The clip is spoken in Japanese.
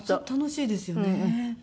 楽しいですよね。